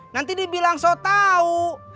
nanti dibilang so tau